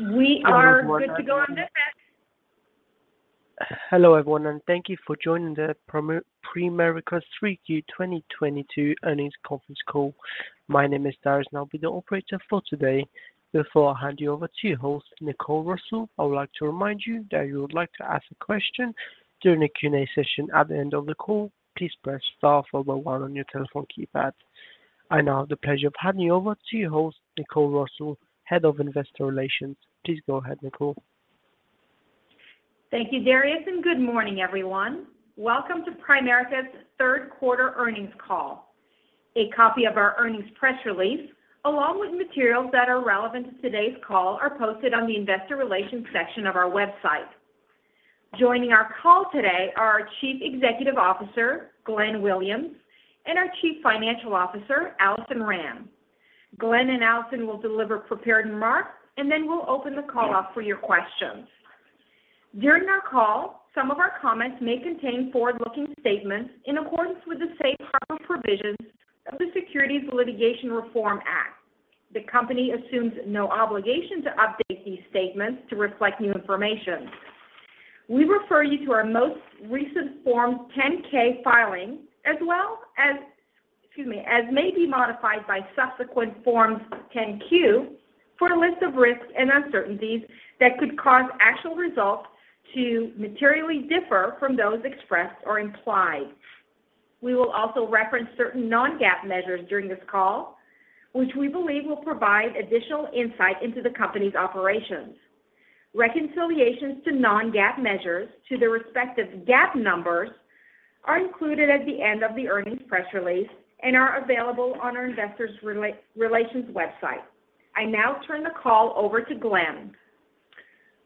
We are good to go on deck. Hello, everyone, and thank you for joining Primerica's 3Q 2022 earnings conference call. My name is Darius, and I'll be the operator for today. Before I hand you over to your host, Nicole Russell, I would like to remind you that if you would like to ask a question during the Q&A session at the end of the call, please press star followed by one on your telephone keypad. I now have the pleasure of handing you over to your host, Nicole Russell, Head of Investor Relations. Please go ahead, Nicole. Thank you, Darius, and good morning, everyone. Welcome to Primerica's third quarter earnings call. A copy of our earnings press release, along with materials that are relevant to today's call, are posted on the Investor Relations section of our website. Joining our call today are our Chief Executive Officer, Glenn Williams, and our Chief Financial Officer, Alison Rand. Glenn and Alison will deliver prepared remarks, and then we'll open the call up for your questions. During our call, some of our comments may contain forward-looking statements in accordance with the safe harbor provisions of the Securities Litigation Reform Act. The company assumes no obligation to update these statements to reflect new information. We refer you to our most recent Form 10-K filing as well as, excuse me, as may be modified by subsequent Forms 10-Q for a list of risks and uncertainties that could cause actual results to materially differ from those expressed or implied. We will also reference certain non-GAAP measures during this call, which we believe will provide additional insight into the company's operations. Reconciliations to non-GAAP measures to their respective GAAP numbers are included at the end of the earnings press release and are available on our Investor Relations website. I now turn the call over to Glenn.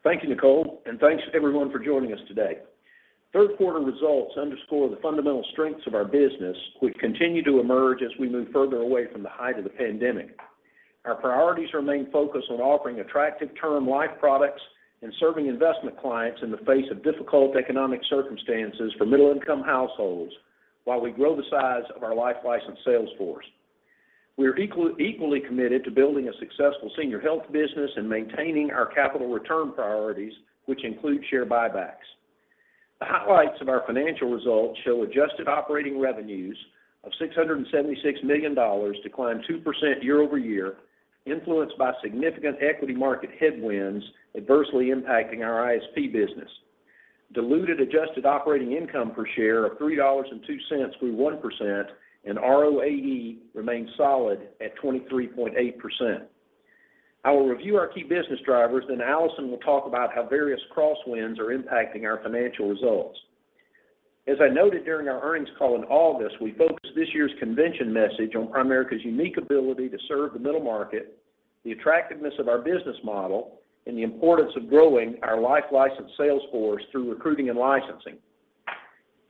Thank you, Nicole, and thanks everyone for joining us today. Third quarter results underscore the fundamental strengths of our business, which continue to emerge as we move further away from the height of the pandemic. Our priorities remain focused on offering attractive term life products and serving investment clients in the face of difficult economic circumstances for middle-income households while we grow the size of our life license sales force. We are equally committed to building a successful senior health business and maintaining our capital return priorities, which include share buybacks. The highlights of our financial results show adjusted operating revenues of $676 million declined 2% year-over-year, influenced by significant equity market headwinds adversely impacting our ISP business. Diluted adjusted operating income per share of $3.02 grew 1%, and ROAE remains solid at 23.8%. I will review our key business drivers, then Alison will talk about how various crosswinds are impacting our financial results. As I noted during our earnings call in August, we focused this year's convention message on Primerica's unique ability to serve the middle market, the attractiveness of our business model, and the importance of growing our life license sales force through recruiting and licensing.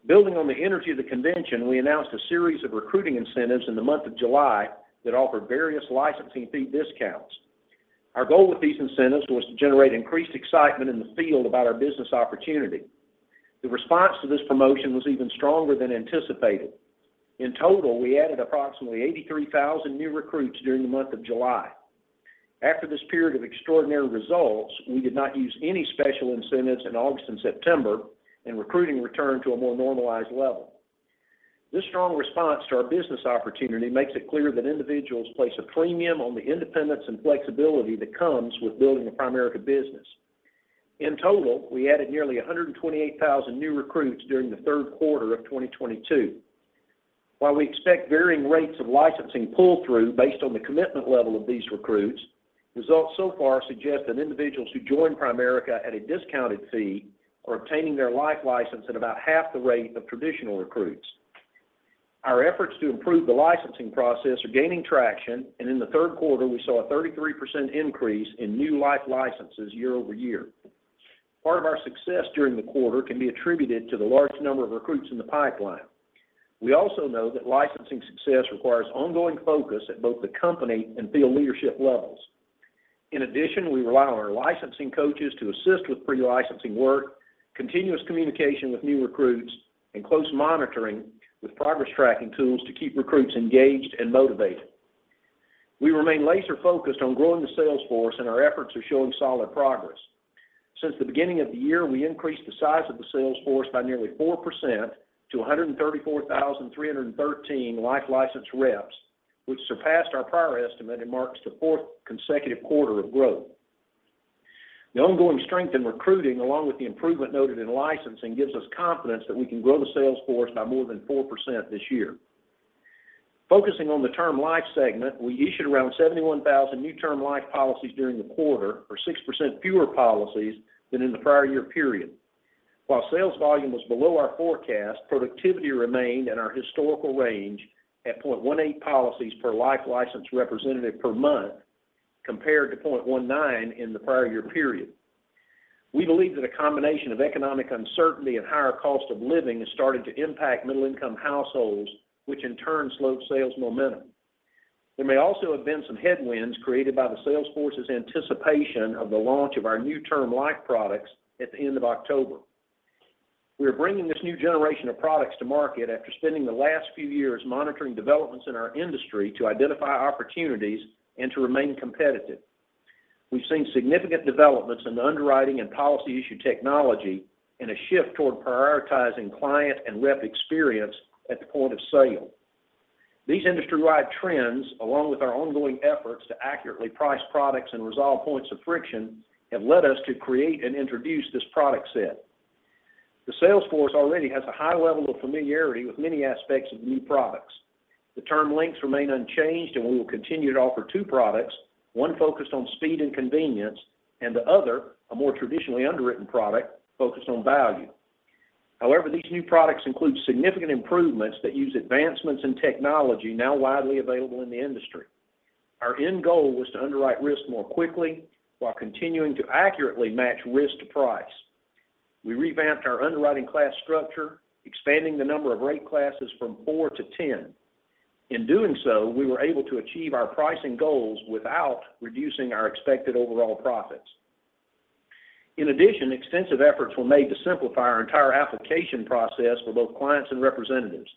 Building on the energy of the convention, we announced a series of recruiting incentives in the month of July that offered various licensing fee discounts. Our goal with these incentives was to generate increased excitement in the field about our business opportunity. The response to this promotion was even stronger than anticipated. In total, we added approximately 83,000 new recruits during the month of July. After this period of extraordinary results, we did not use any special incentives in August and September, and recruiting returned to a more normalized level. This strong response to our business opportunity makes it clear that individuals place a premium on the independence and flexibility that comes with building a Primerica business. In total, we added nearly 128,000 new recruits during the third quarter of 2022. While we expect varying rates of licensing pull-through based on the commitment level of these recruits, results so far suggest that individuals who join Primerica at a discounted fee are obtaining their life license at about half the rate of traditional recruits. Our efforts to improve the licensing process are gaining traction, and in the third quarter, we saw a 33% increase in new life licenses year-over-year. Part of our success during the quarter can be attributed to the large number of recruits in the pipeline. We also know that licensing success requires ongoing focus at both the company and field leadership levels. In addition, we rely on our licensing coaches to assist with pre-licensing work, continuous communication with new recruits, and close monitoring with progress tracking tools to keep recruits engaged and motivated. We remain laser-focused on growing the sales force, and our efforts are showing solid progress. Since the beginning of the year, we increased the size of the sales force by nearly 4% to 134,313 life license reps, which surpassed our prior estimate and marks the fourth consecutive quarter of growth. The ongoing strength in recruiting, along with the improvement noted in licensing, gives us confidence that we can grow the sales force by more than 4% this year. Focusing on the term life segment, we issued around 71,000 new term life policies during the quarter, or 6% fewer policies than in the prior year period. While sales volume was below our forecast, productivity remained in our historical range at 0.18 policies per life license representative per month, compared to 0.19 in the prior year period. We believe that a combination of economic uncertainty and higher cost of living has started to impact middle-income households, which in turn slowed sales momentum. There may also have been some headwinds created by the sales force's anticipation of the launch of our new term life products at the end of October. We are bringing this new generation of products to market after spending the last few years monitoring developments in our industry to identify opportunities and to remain competitive. We've seen significant developments in the underwriting and policy issue technology and a shift toward prioritizing client and rep experience at the point of sale. These industry-wide trends, along with our ongoing efforts to accurately price products and resolve points of friction, have led us to create and introduce this product set. The sales force already has a high level of familiarity with many aspects of the new products. The term links remain unchanged, and we will continue to offer two products, one focused on speed and convenience, and the other, a more traditionally underwritten product, focused on value. However, these new products include significant improvements that use advancements in technology now widely available in the industry. Our end goal was to underwrite risk more quickly while continuing to accurately match risk to price. We revamped our underwriting class structure, expanding the number of rate classes from four to 10. In doing so, we were able to achieve our pricing goals without reducing our expected overall profits. In addition, extensive efforts were made to simplify our entire application process for both clients and representatives.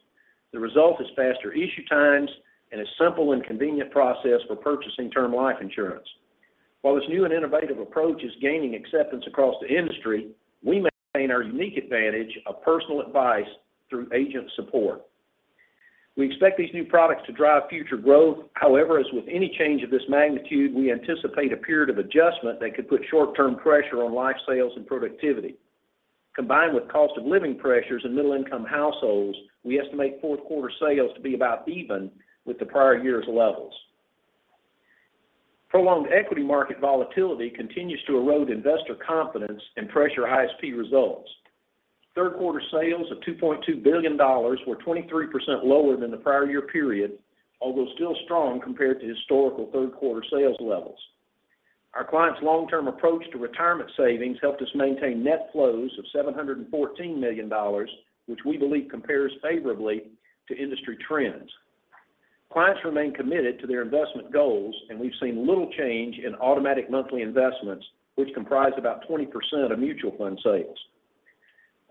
The result is faster issue times and a simple and convenient process for purchasing Term Life Insurance. While this new and innovative approach is gaining acceptance across the industry, we maintain our unique advantage of personal advice through agent support. We expect these new products to drive future growth. However, as with any change of this magnitude, we anticipate a period of adjustment that could put short-term pressure on life sales and productivity. Combined with cost of living pressures in middle-income households, we estimate fourth quarter sales to be about even with the prior year's levels. Prolonged equity market volatility continues to erode investor confidence and pressure ISP results. Third quarter sales of $2.2 billion were 23% lower than the prior year period, although still strong compared to historical third quarter sales levels. Our clients' long-term approach to retirement savings helped us maintain net flows of $714 million, which we believe compares favorably to industry trends. Clients remain committed to their investment goals, and we've seen little change in automatic monthly investments, which comprise about 20% of mutual fund sales.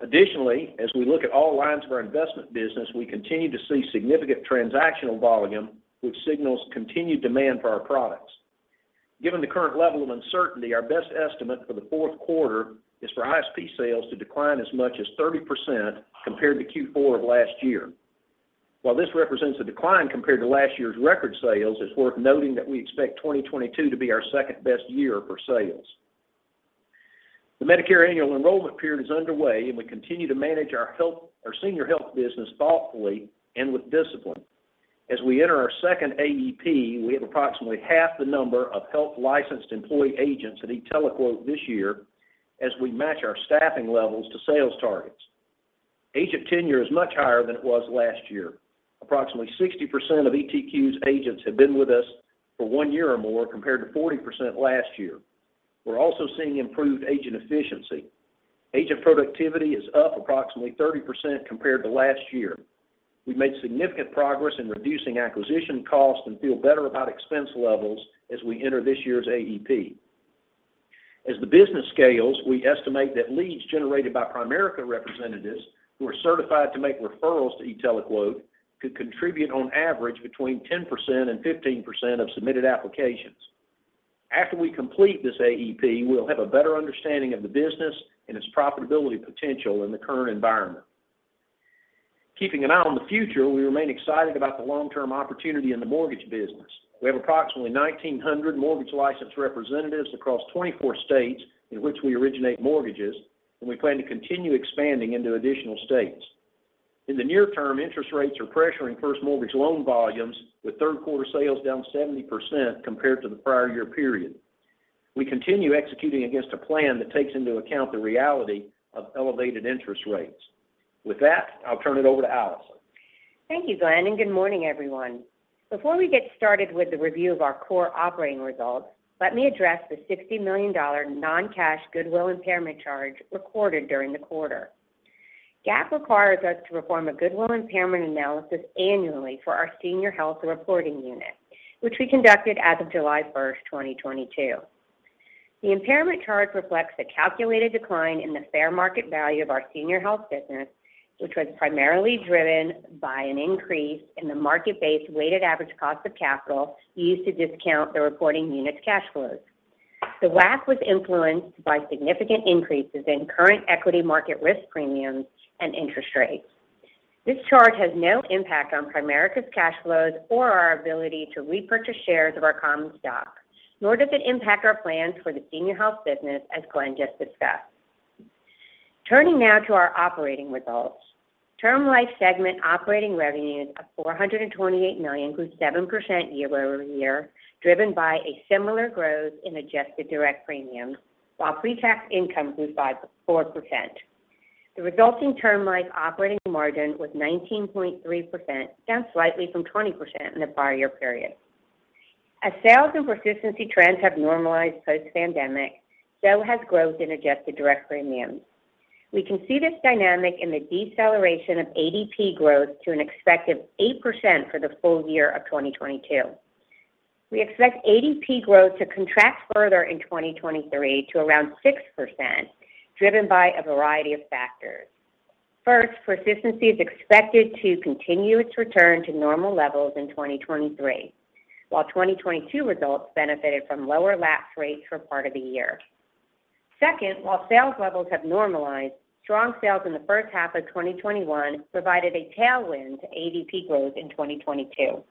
Additionally, as we look at all lines of our investment business, we continue to see significant transactional volume, which signals continued demand for our products. Given the current level of uncertainty, our best estimate for the fourth quarter is for ISP sales to decline as much as 30% compared to Q4 of last year. While this represents a decline compared to last year's record sales, it's worth noting that we expect 2022 to be our second-best year for sales. The Medicare annual enrollment period is underway, and we continue to manage our Senior Health business thoughtfully and with discipline. As we enter our second AEP, we have approximately half the number of health licensed employee agents at e-TeleQuote this year as we match our staffing levels to sales targets. Agent tenure is much higher than it was last year. Approximately 60% of ETQ's agents have been with us for one year or more, compared to 40% last year. We're also seeing improved agent efficiency. Agent productivity is up approximately 30% compared to last year. We've made significant progress in reducing acquisition costs and feel better about expense levels as we enter this year's AEP. As the business scales, we estimate that leads generated by Primerica representatives who are certified to make referrals to e-TeleQuote could contribute on average between 10% and 15% of submitted applications. After we complete this AEP, we'll have a better understanding of the business and its profitability potential in the current environment. Keeping an eye on the future, we remain excited about the long-term opportunity in the mortgage business. We have approximately 1,900 mortgage licensed representatives across 24 states in which we originate mortgages, and we plan to continue expanding into additional states. In the near term, interest rates are pressuring first mortgage loan volumes, with third quarter sales down 70% compared to the prior year period. We continue executing against a plan that takes into account the reality of elevated interest rates. With that, I'll turn it over to Alison. Thank you, Glenn, and good morning, everyone. Before we get started with the review of our core operating results, let me address the $60 million non-cash goodwill impairment charge recorded during the quarter. GAAP requires us to perform a goodwill impairment analysis annually for our Senior Health reporting unit, which we conducted as of July first, 2022. The impairment charge reflects the calculated decline in the fair market value of our Senior Health business, which was primarily driven by an increase in the market-based weighted average cost of capital used to discount the reporting unit's cash flows. The WACC was influenced by significant increases in current equity market risk premiums and interest rates. This charge has no impact on Primerica's cash flows or our ability to repurchase shares of our common stock, nor does it impact our plans for the Senior Health business, as Glenn just discussed. Turning now to our operating results. Term Life segment operating revenues of $428 million grew 7% year-over-year, driven by a similar growth in adjusted direct premiums, while pre-tax income grew by 4%. The resulting Term Life operating margin was 19.3%, down slightly from 20% in the prior year period. As sales and persistency trends have normalized post-pandemic, so has growth in adjusted direct premiums. We can see this dynamic in the deceleration of ADP growth to an expected 8% for the full year of 2022. We expect ADP growth to contract further in 2023 to around 6%, driven by a variety of factors. First, persistency is expected to continue its return to normal levels in 2023, while 2022 results benefited from lower lapse rates for part of the year. Second, while sales levels have normalized, strong sales in the first half of 2021 provided a tailwind to ADP growth in 2022.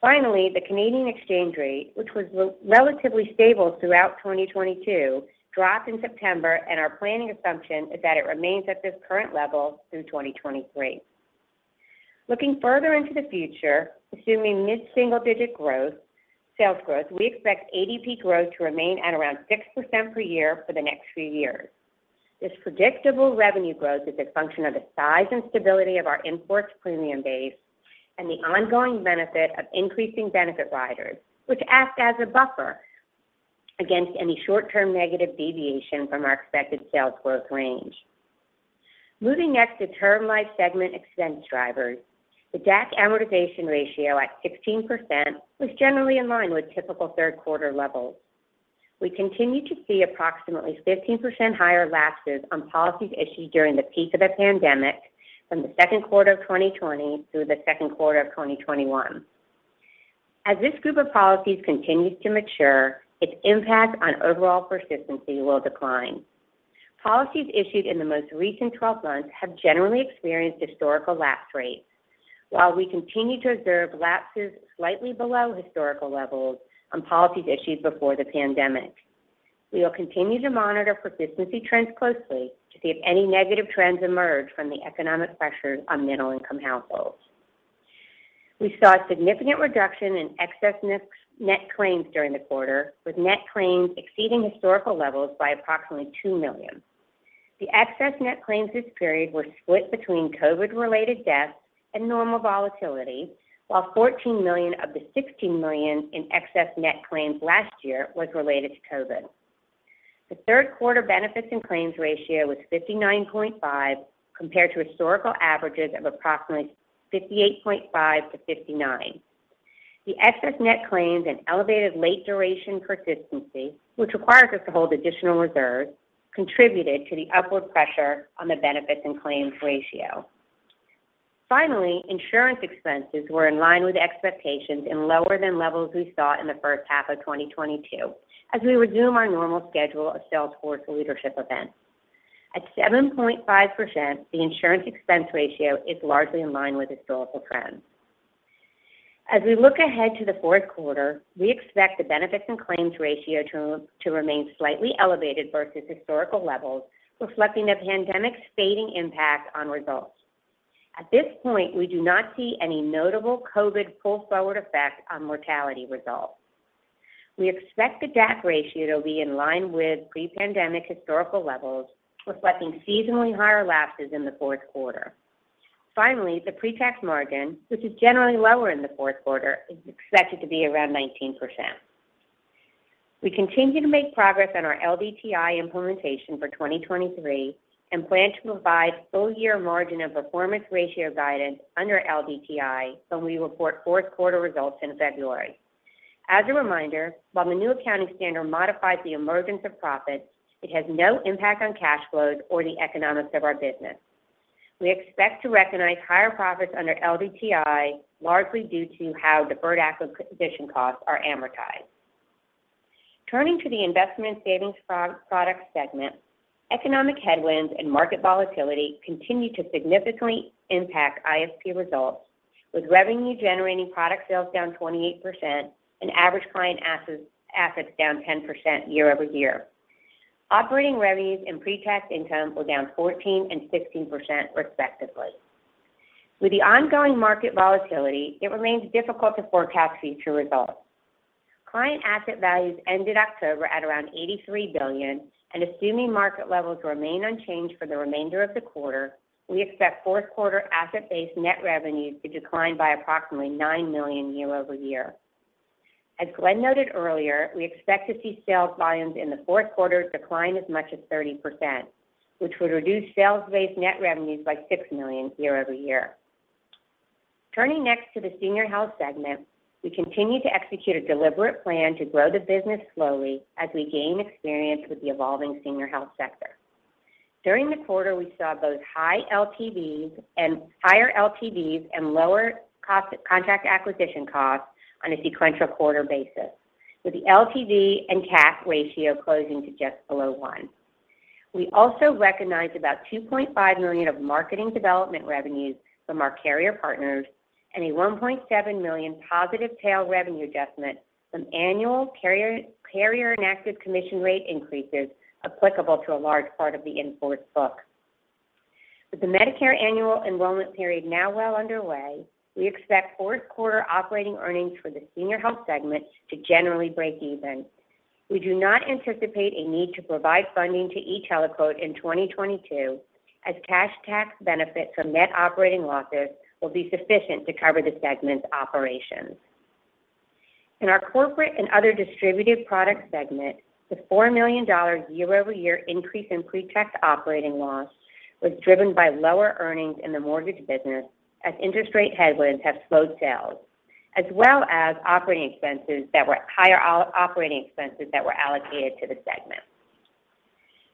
Finally, the Canadian exchange rate, which was relatively stable throughout 2022, dropped in September, and our planning assumption is that it remains at this current level through 2023. Looking further into the future, assuming mid-single-digit growth, sales growth, we expect ADP growth to remain at around 6% per year for the next few years. This predictable revenue growth is a function of the size and stability of our in-force premium base and the ongoing benefit of increasing benefit riders, which act as a buffer against any short-term negative deviation from our expected sales growth range. Moving next to Term Life segment expense drivers, the DAC amortization ratio at 16% was generally in line with typical third quarter levels. We continue to see approximately 15% higher lapses on policies issued during the peak of the pandemic from Q2 2020 through Q2 2021. As this group of policies continues to mature, its impact on overall persistency will decline. Policies issued in the most recent 12 months have generally experienced historical lapse rates, while we continue to observe lapses slightly below historical levels on policies issued before the pandemic. We will continue to monitor persistency trends closely to see if any negative trends emerge from the economic pressures on middle-income households. We saw a significant reduction in excess net-net claims during the quarter, with net claims exceeding historical levels by approximately $2 million. The excess net claims this period were split between COVID-related deaths and normal volatility, while 14 million of the 16 million in excess net claims last year was related to COVID. The third quarter benefits and claims ratio was 59.5, compared to historical averages of approximately 58.5-59. The excess net claims and elevated late duration persistency, which requires us to hold additional reserves, contributed to the upward pressure on the benefits and claims ratio. Finally, insurance expenses were in line with expectations and lower than levels we saw in the first half of 2022 as we resume our normal schedule of sales force leadership events. At 7.5%, the insurance expense ratio is largely in line with historical trends. As we look ahead to the fourth quarter, we expect the benefits and claims ratio to remain slightly elevated versus historical levels, reflecting the pandemic's fading impact on results. At this point, we do not see any notable COVID pull-forward effect on mortality results. We expect the DAC ratio to be in line with pre-pandemic historical levels, reflecting seasonally higher lapses in the fourth quarter. Finally, the pre-tax margin, which is generally lower in the fourth quarter, is expected to be around 19%. We continue to make progress on our LDTI implementation for 2023 and plan to provide full year margin of performance ratio guidance under LDTI when we report fourth quarter results in February. As a reminder, while the new accounting standard modifies the emergence of profits, it has no impact on cash flows or the economics of our business. We expect to recognize higher profits under LDTI, largely due to how deferred acquisition costs are amortized. Turning to the Investment and Savings Products segment, economic headwinds and market volatility continue to significantly impact ISP results, with revenue-generating product sales down 28% and average client assets down 10% year-over-year. Operating revenues and pre-tax income were down 14% and 16% respectively. With the ongoing market volatility, it remains difficult to forecast future results. Client asset values ended October at around $83 billion, and assuming market levels remain unchanged for the remainder of the quarter, we expect fourth quarter asset-based net revenues to decline by approximately $9 million year-over-year. As Glenn noted earlier, we expect to see sales volumes in the fourth quarter decline as much as 30%, which would reduce sales-based net revenues by $6 million year-over-year. Turning next to the Senior Health segment, we continue to execute a deliberate plan to grow the business slowly as we gain experience with the evolving senior health sector. During the quarter, we saw both higher LTVs and lower contract acquisition costs on a sequential quarter basis, with the LTV and CAC ratio closing to just below one. We also recognized about $2.5 million of marketing development revenues from our carrier partners and a $1.7 million positive tail revenue adjustment from annual carrier inactive commission rate increases applicable to a large part of the in-force book. With the Medicare annual enrollment period now well underway, we expect fourth quarter operating earnings for the Senior Health segment to generally break even. We do not anticipate a need to provide funding to e-TeleQuote in 2022, as cash tax benefits from net operating losses will be sufficient to cover the segment's operations. In our Corporate and Other Distributed Products segment, the $4 million year-over-year increase in pre-tax operating loss was driven by lower earnings in the mortgage business as interest rate headwinds have slowed sales, as well as higher operating expenses that were allocated to the segment.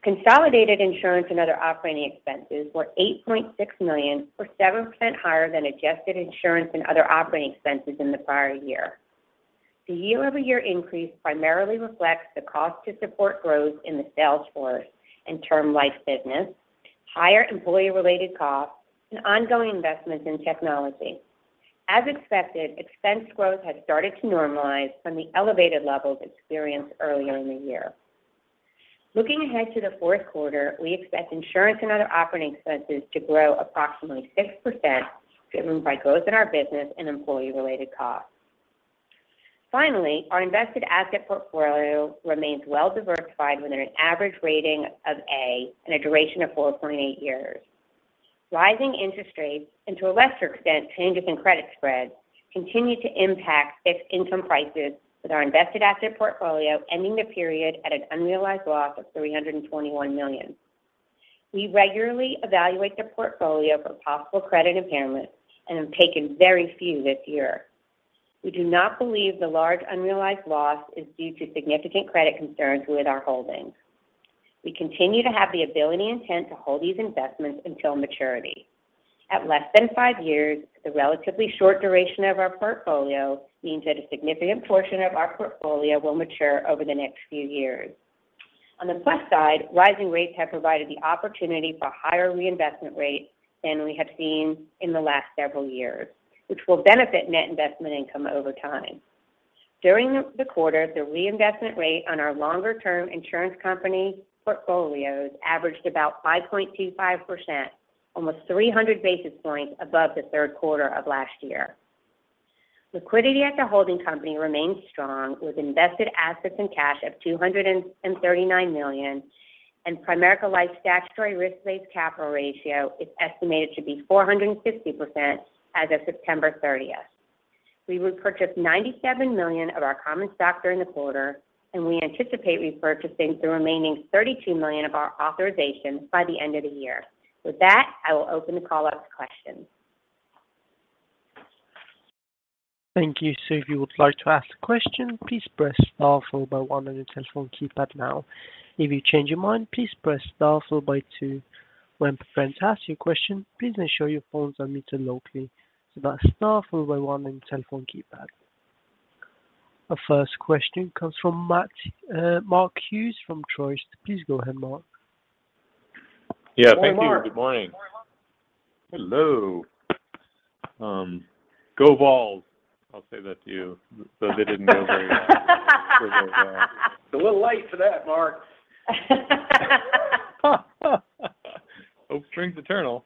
Consolidated insurance and other operating expenses were $8.6 million, or 7% higher than adjusted insurance and other operating expenses in the prior year. The year-over-year increase primarily reflects the cost to support growth in the sales force and term life business, higher employee-related costs and ongoing investments in technology. As expected, expense growth has started to normalize from the elevated levels experienced earlier in the year. Looking ahead to the fourth quarter, we expect insurance and other operating expenses to grow approximately 6% driven by growth in our business and employee-related costs. Finally, our invested asset portfolio remains well-diversified with an average rating of A and a duration of 4.8 years. Rising interest rates, and to a lesser extent, changes in credit spreads continue to impact fixed income prices with our invested asset portfolio ending the period at an unrealized loss of $321 million. We regularly evaluate the portfolio for possible credit impairments and have taken very few this year. We do not believe the large unrealized loss is due to significant credit concerns with our holdings. We continue to have the ability and intent to hold these investments until maturity. At less than 5 years, the relatively short duration of our portfolio means that a significant portion of our portfolio will mature over the next few years. On the plus side, rising rates have provided the opportunity for higher reinvestment rates than we have seen in the last several years, which will benefit net investment income over time. During the quarter, the reinvestment rate on our longer-term insurance company portfolios averaged about 5.25%, almost 300 basis points above the third quarter of last year. Liquidity at the holding company remains strong with invested assets and cash of $239 million, and Primerica Life statutory risk-based capital ratio is estimated to be 450% as of September thirtieth. We repurchased 97 million of our common stock during the quarter, and we anticipate repurchasing the remaining 32 million of our authorizations by the end of the year. With that, I will open the call up to questions. Thank you. If you would like to ask a question, please press star followed by one on your telephone keypad now. If you change your mind, please press star followed by two. When preparing to ask your question, please ensure your phone is unmuted locally. That's star followed by one on your telephone keypad. Our first question comes from Mark Hughes from Truist. Please go ahead, Mark. Yeah. Thank you, and good morning. Good morning, Mark. Hello. Go Vols. I'll say that to you, though they didn't go very well. It's a little late for that, Mark. Hope springs eternal.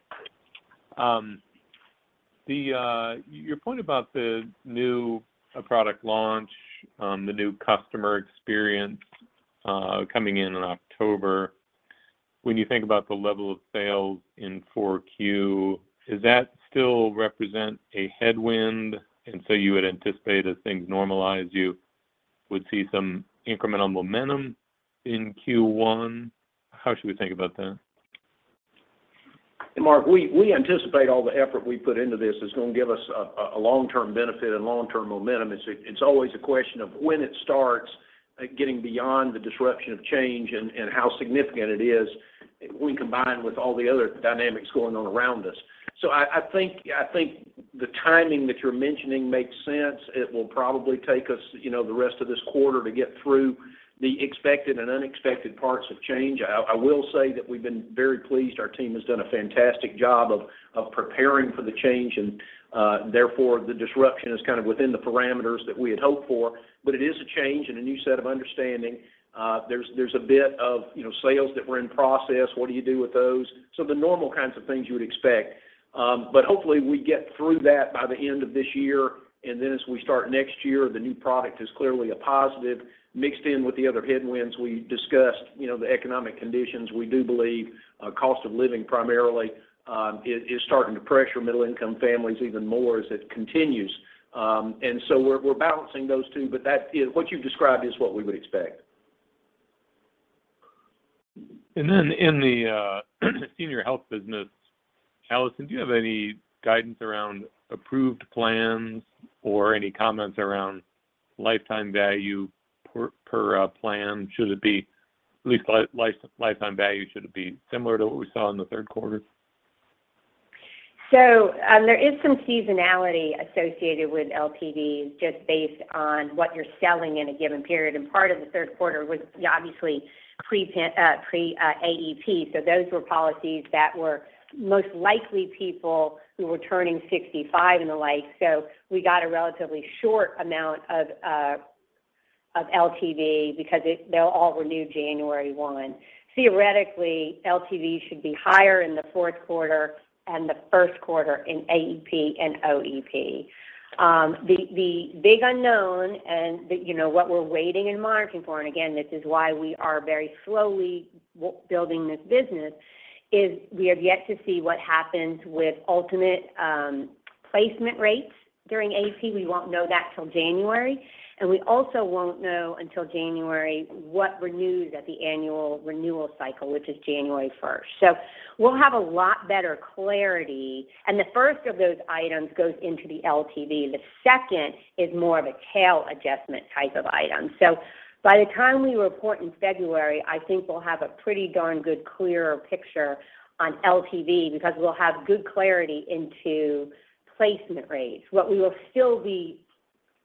Your point about the new product launch, the new customer experience, coming in October, when you think about the level of sales in 4Q, does that still represent a headwind, and so you would anticipate as things normalize, you would see some incremental momentum in Q1? How should we think about that? Mark, we anticipate all the effort we put into this is going to give us a long-term benefit and long-term momentum. It's always a question of when it starts getting beyond the disruption of change and how significant it is when combined with all the other dynamics going on around us. I think the timing that you're mentioning makes sense. It will probably take us, you know, the rest of this quarter to get through the expected and unexpected parts of change. I will say that we've been very pleased. Our team has done a fantastic job of preparing for the change, and therefore, the disruption is kind of within the parameters that we had hoped for. It is a change and a new set of understanding. There's a bit of, you know, sales that were in process. What do you do with those? The normal kinds of things you would expect. Hopefully we get through that by the end of this year, and then as we start next year, the new product is clearly a positive mix in with the other headwinds we discussed. You know, the economic conditions, we do believe, cost of living primarily, is starting to pressure middle-income families even more as it continues. We're balancing those two. What you've described is what we would expect. Then in the Senior Health business, Alison, do you have any guidance around approved plans or any comments around lifetime value per plan? Should it be at least lifetime value, should it be similar to what we saw in the third quarter? There is some seasonality associated with LTV just based on what you're selling in a given period. Part of the third quarter was obviously pre-AEP. Those were policies that were most likely people who were turning 65 and the like. We got a relatively short amount of LTV because they'll all renew January 1. Theoretically, LTV should be higher in the fourth quarter and the first quarter in AEP and OEP. The big unknown and you know what we're waiting and watching for, and again, this is why we are very slowly building this business is we have yet to see what happens with ultimate placement rates during AEP. We won't know that till January, and we also won't know until January what renews at the annual renewal cycle, which is January 1. We'll have a lot better clarity. The first of those items goes into the LTV. The second is more of a tail adjustment type of item. By the time we report in February, I think we'll have a pretty darn good clearer picture on LTV because we'll have good clarity into placement rates. What we will still be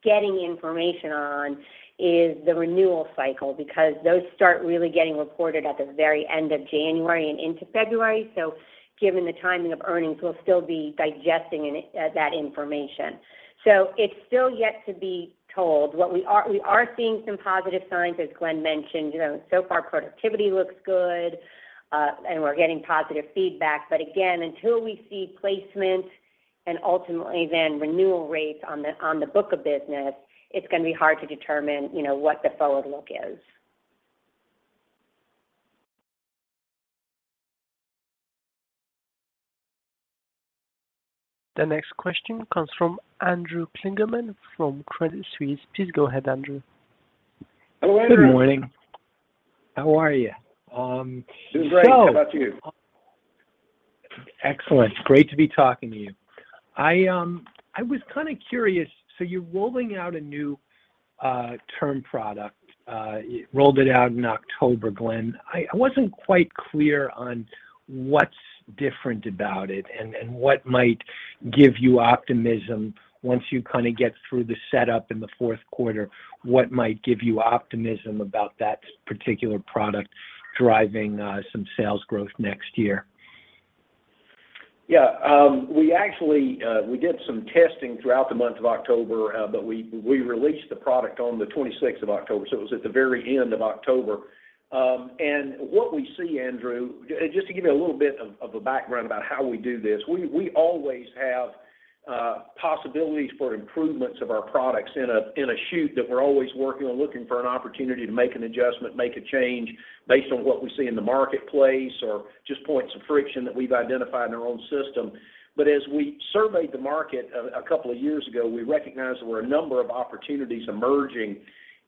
getting information on is the renewal cycle, because those start really getting reported at the very end of January and into February. Given the timing of earnings, we'll still be digesting in that information. It's still yet to be told. We are seeing some positive signs, as Glenn mentioned. You know, so far productivity looks good, and we're getting positive feedback. Again, until we see placement and ultimately then renewal rates on the book of business, it's gonna be hard to determine, you know, what the forward look is. The next question comes from Andrew Kligerman from Credit Suisse. Please go ahead, Andrew. Hello, Andrew. Good morning. How are you? Just great. How about you? Excellent. Great to be talking to you. I was kind of curious. You're rolling out a new term product. You rolled it out in October, Glenn. I wasn't quite clear on what's different about it and what might give you optimism once you kind of get through the setup in the fourth quarter, what might give you optimism about that particular product driving some sales growth next year? Yeah. We actually did some testing throughout the month of October, but we released the product on the 26th of October, so it was at the very end of October. What we see, Andrew, just to give you a little bit of a background about how we do this, we always have possibilities for improvements of our products in a suite that we're always working on looking for an opportunity to make an adjustment, make a change based on what we see in the marketplace or just points of friction that we've identified in our own system. As we surveyed the market a couple of years ago, we recognized there were a number of opportunities emerging,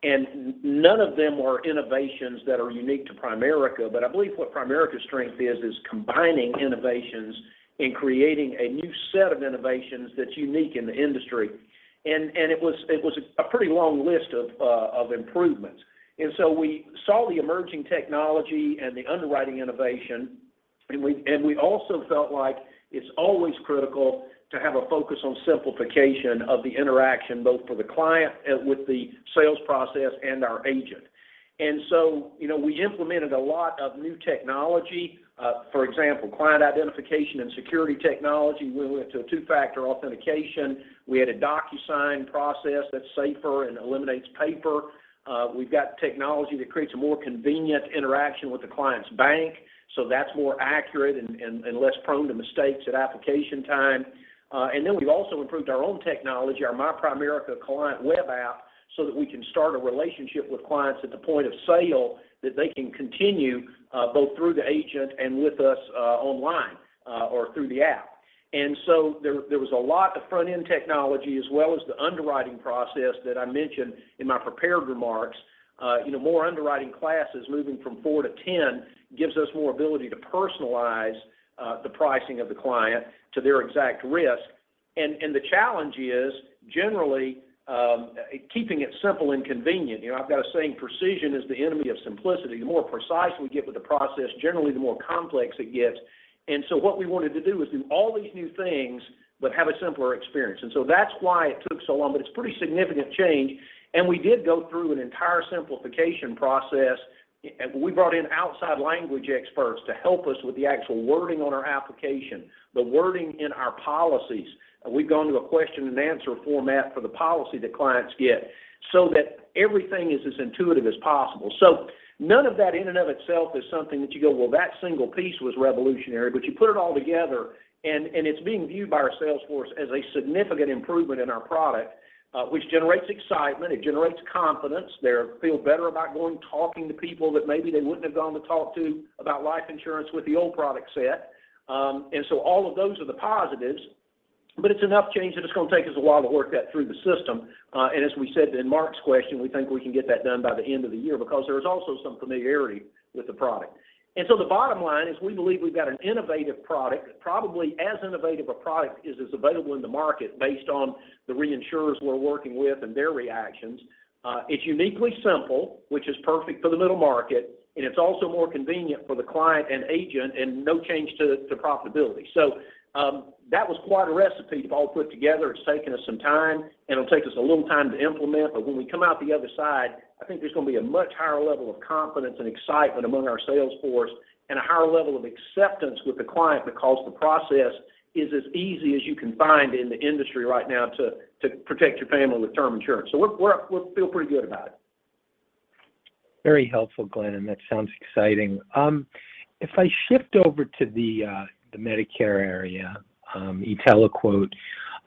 and none of them were innovations that are unique to Primerica. I believe what Primerica's strength is combining innovations and creating a new set of innovations that's unique in the industry. It was a pretty long list of improvements. We saw the emerging technology and the underwriting innovation, and we also felt like it's always critical to have a focus on simplification of the interaction, both for the client, with the sales process and our agent. You know, we implemented a lot of new technology, for example, client identification and security technology. We went to a two-factor authentication. We had a DocuSign process that's safer and eliminates paper. We've got technology that creates a more convenient interaction with the client's bank, so that's more accurate and less prone to mistakes at application time. We've also improved our own technology, our MyPrimerica client web app, so that we can start a relationship with clients at the point of sale that they can continue both through the agent and with us online or through the app. There was a lot of front-end technology as well as the underwriting process that I mentioned in my prepared remarks. You know, more underwriting classes moving from four to 10 gives us more ability to personalize the pricing of the client to their exact risk. The challenge is generally keeping it simple and convenient. You know, I've got a saying, precision is the enemy of simplicity. The more precise we get with the process, generally the more complex it gets. What we wanted to do was do all these new things but have a simpler experience. That's why it took so long, but it's pretty significant change. We did go through an entire simplification process. We brought in outside language experts to help us with the actual wording on our application, the wording in our policies. We've gone to a question and answer format for the policy that clients get so that everything is as intuitive as possible. None of that in and of itself is something that you go, "Well, that single piece was revolutionary." You put it all together, and it's being viewed by our sales force as a significant improvement in our product, which generates excitement, it generates confidence. They feel better about going to talk to people that maybe they wouldn't have gone to talk to about life insurance with the old product set. All of those are the positives, but it's enough change that it's gonna take us a while to work that through the system. As we said in Mark's question, we think we can get that done by the end of the year because there is also some familiarity with the product. The bottom line is we believe we've got an innovative product, probably as innovative a product as is available in the market based on the reinsurers we're working with and their reactions. It's uniquely simple, which is perfect for the middle market, and it's also more convenient for the client and agent, and no change to profitability. That was quite a recipe all put together. It's taken us some time, and it'll take us a little time to implement, but when we come out the other side, I think there's gonna be a much higher level of confidence and excitement among our sales force and a higher level of acceptance with the client because the process is as easy as you can find in the industry right now to protect your family with term insurance. We feel pretty good about it. Very helpful, Glenn, and that sounds exciting. If I shift over to the Medicare area, e-TeleQuote,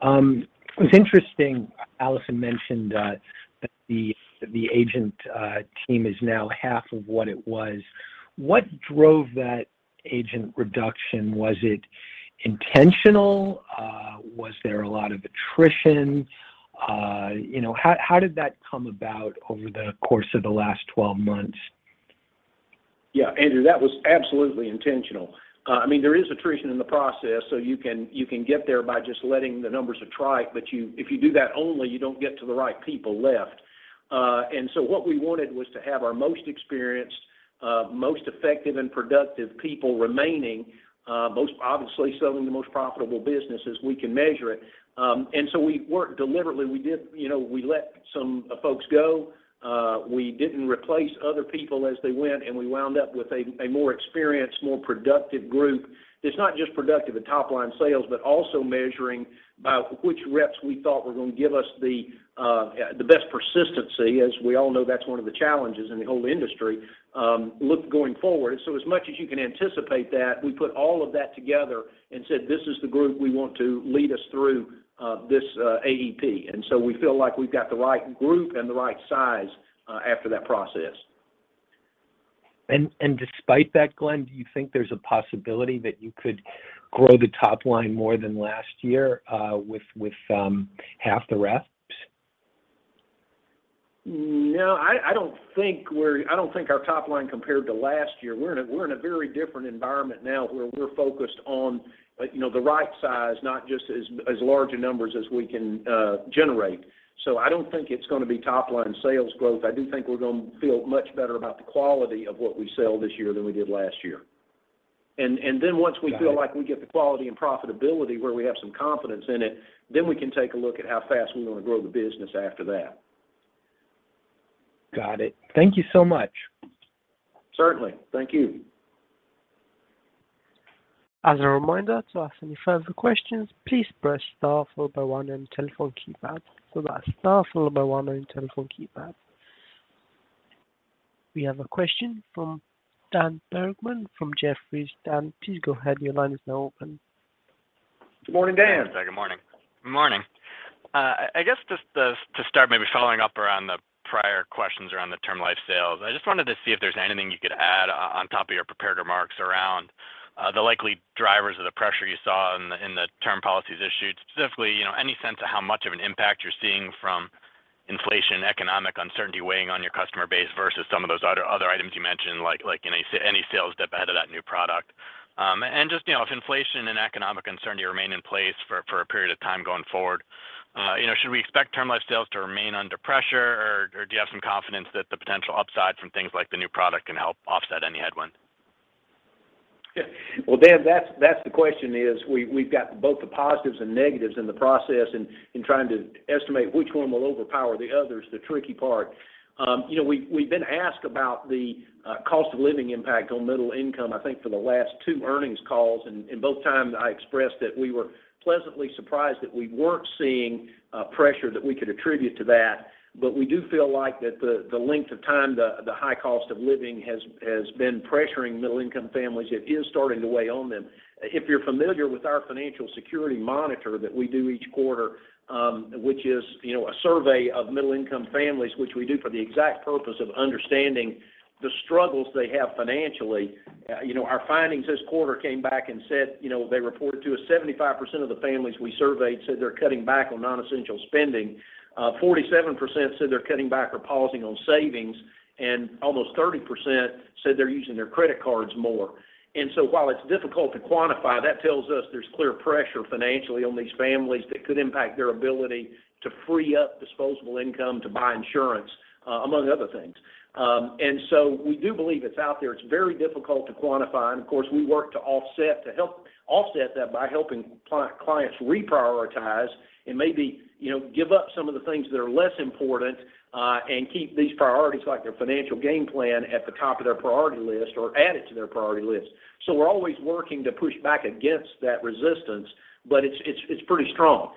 it was interesting, Alison mentioned that the agent team is now half of what it was. What drove that agent reduction? Was it intentional? Was there a lot of attrition? You know, how did that come about over the course of the last 12 months? Yeah, Andrew, that was absolutely intentional. I mean, there is attrition in the process, so you can get there by just letting the numbers attrite. If you do that only, you don't get to the right people left. What we wanted was to have our most experienced, most effective and productive people remaining, most obviously selling the most profitable businesses we can measure it. We worked deliberately. We did. You know, we let some folks go. We didn't replace other people as they went, and we wound up with a more experienced, more productive group that's not just productive at top line sales, but also measuring by which reps we thought were going to give us the best persistency, as we all know that's one of the challenges in the whole industry, look going forward. So as much as you can anticipate that, we put all of that together and said, "This is the group we want to lead us through this ADP." We feel like we've got the right group and the right size after that process. Despite that, Glenn, do you think there's a possibility that you could grow the top line more than last year, with half the reps? No, I don't think our top line compared to last year. We're in a very different environment now where we're focused on, you know, the right size, not just as large in numbers as we can generate. I don't think it's going to be top line sales growth. I do think we're going to feel much better about the quality of what we sell this year than we did last year. Once we feel like we get the quality and profitability where we have some confidence in it, we can take a look at how fast we want to grow the business after that. Got it. Thank you so much. Certainly. Thank you. As a reminder to ask any further questions, please press star followed by one on your telephone keypad. That's star followed by one on your telephone keypad. We have a question from Daniel Bergman from Jefferies. Dan, please go ahead. Your line is now open. Good morning, Dan. Good morning. I guess just to start maybe following up around the prior questions around the term life sales, I just wanted to see if there's anything you could add on top of your prepared remarks around the likely drivers of the pressure you saw in the term policies issued. Specifically, you know, any sense of how much of an impact you're seeing from inflation, economic uncertainty weighing on your customer base versus some of those other items you mentioned, like any sales dip ahead of that new product. Just, you know, if inflation and economic uncertainty remain in place for a period of time going forward, you know, should we expect term life sales to remain under pressure, or do you have some confidence that the potential upside from things like the new product can help offset any headwinds? Well, Dan, that's the question is we've got both the positives and negatives in the process, and in trying to estimate which one will overpower the other is the tricky part. You know, we've been asked about the cost of living impact on middle-income, I think for the last two earnings calls, and both times I expressed that we were pleasantly surprised that we weren't seeing pressure that we could attribute to that. We do feel like the length of time the high cost of living has been pressuring middle-income families, it is starting to weigh on them. If you're familiar with our Financial Security Monitor that we do each quarter, which is, you know, a survey of middle-income families, which we do for the exact purpose of understanding the struggles they have financially. You know, our findings this quarter came back and said, you know, they reported to us 75% of the families we surveyed said they're cutting back on non-essential spending. Forty-seven percent said they're cutting back or pausing on savings, and almost 30% said they're using their credit cards more. While it's difficult to quantify, that tells us there's clear pressure financially on these families that could impact their ability to free up disposable income to buy insurance, among other things. We do believe it's out there. It's very difficult to quantify. Of course, we work to offset, to help offset that by helping clients reprioritize and maybe, you know, give up some of the things that are less important, and keep these priorities like their financial game plan at the top of their priority list or add it to their priority list. We're always working to push back against that resistance, but it's pretty strong.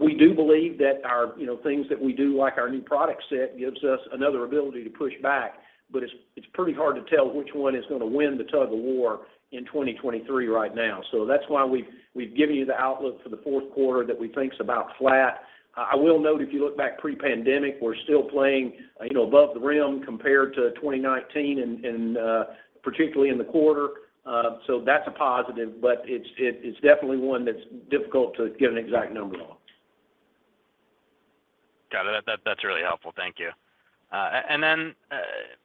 We do believe that our, you know, things that we do, like our new product set, gives us another ability to push back, but it's pretty hard to tell which one is going to win the tug of war in 2023 right now. That's why we've given you the outlook for the fourth quarter that we think is about flat. I will note, if you look back pre-pandemic, we're still playing, you know, above the rim compared to 2019 and particularly in the quarter. That's a positive, but it's definitely one that's difficult to get an exact number on. Got it. That's really helpful. Thank you.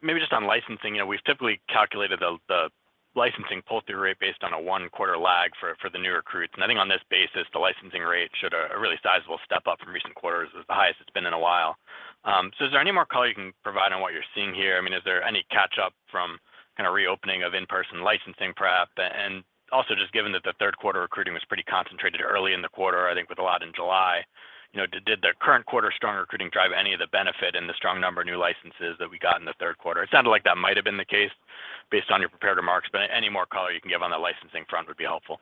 Maybe just on licensing. You know, we've typically calculated the licensing pull-through rate based on a one-quarter lag for the new recruits. I think on this basis, the licensing rate should a really sizable step up from recent quarters is the highest it's been in a while. Is there any more color you can provide on what you're seeing here? I mean, is there any catch up from kind of reopening of in-person licensing prep? Also just given that the third quarter recruiting was pretty concentrated early in the quarter, I think with a lot in July. You know, did the current quarter strong recruiting drive any of the benefit in the strong number of new licenses that we got in the third quarter? It sounded like that might have been the case based on your prepared remarks, but any more color you can give on the licensing front would be helpful?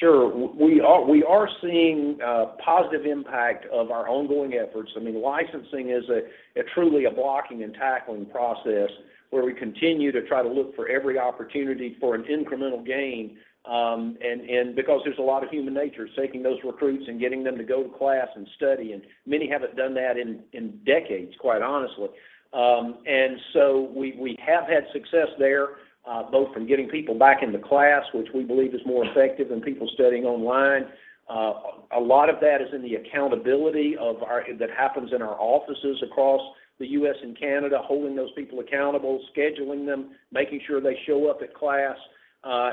Sure. We are seeing positive impact of our ongoing efforts. I mean, licensing is truly a blocking and tackling process where we continue to try to look for every opportunity for an incremental gain, and because there's a lot of human nature, taking those recruits and getting them to go to class and study, and many haven't done that in decades, quite honestly. We have had success there, both from getting people back into class, which we believe is more effective than people studying online. A lot of that is in the accountability that happens in our offices across the U.S. and Canada, holding those people accountable, scheduling them, making sure they show up at class,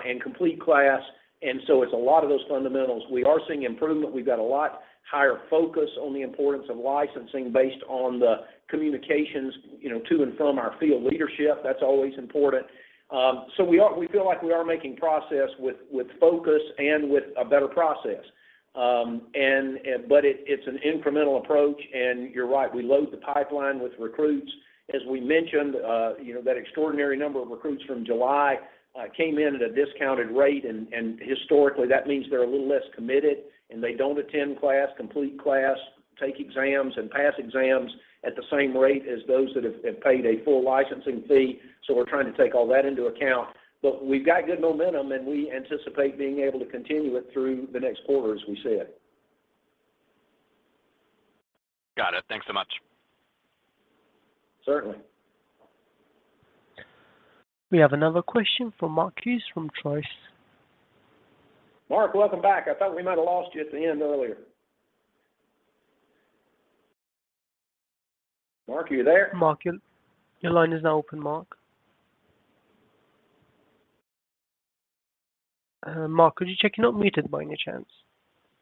and complete class. It's a lot of those fundamentals. We are seeing improvement. We've got a lot higher focus on the importance of licensing based on the communications, you know, to and from our field leadership. That's always important. We feel like we are making progress with focus and with a better process. It's an incremental approach. You're right, we load the pipeline with recruits. As we mentioned, you know, that extraordinary number of recruits from July came in at a discounted rate. Historically, that means they're a little less committed, and they don't attend class, complete class, take exams, and pass exams at the same rate as those that have paid a full licensing fee. We're trying to take all that into account. We've got good momentum, and we anticipate being able to continue it through the next quarter, as we said. Got it. Thanks so much. Certainly. We have another question from Mark Hughes from Truist Securities. Mark, welcome back. I thought we might have lost you at the end earlier. Mark, are you there? Mark, your line is now open, Mark. Mark, could you check you're not muted by any chance?